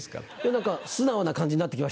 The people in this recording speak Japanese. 何か素直な感じになって来ましたね。